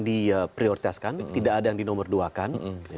diprioritaskan tidak ada yang dinomor duakan